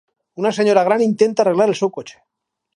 una senyora gran intenta arreglar el seu cotxe